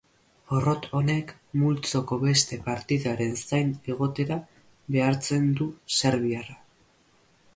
Porrot honek multzoko beste partidaren zain egotera behartzen du serbiarra.